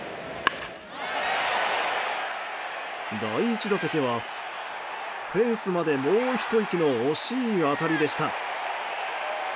第１打席はフェンスまでもうひと息の惜しい当たりでした。